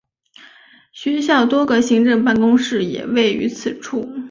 学校多个行政办公室也位于此处。